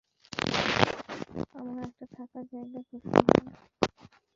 আমার একটা থাকার জায়গা খুঁজতে হবে।